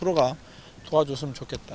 menikmati pertandingan bukan adalah adalah